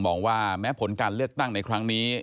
บอกว่าแม้ผลการเลือกตั้งในครั้งนี้